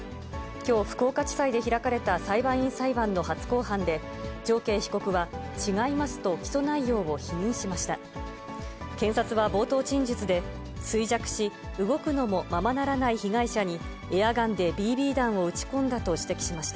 きょう、福岡地裁で開かれた裁判員裁判の初公判で常慶被告は、違いますと、起訴内容を否認しました。